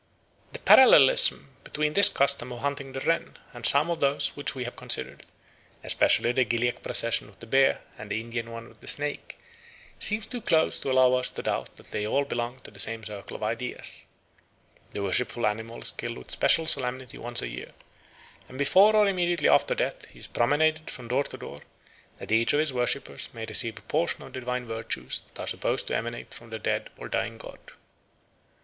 The parallelism between this custom of "hunting the wren" and some of those which we have considered, especially the Gilyak procession with the bear, and the Indian one with the snake, seems too close to allow us to doubt that they all belong to the same circle of ideas. The worshipful animal is killed with special solemnity once a year; and before or immediately after death he is promenaded from door to door, that each of his worshippers may receive a portion of the divine virtues that are supposed to emanate from the dead or dying god.